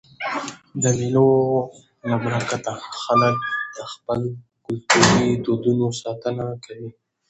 د مېلو له برکته خلک د خپلو کلتوري دودونو ساتنه کوي.